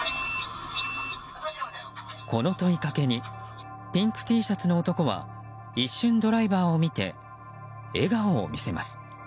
この問いかけにピンクＴシャツの男は一瞬ドライバーを見て笑顔を見せます。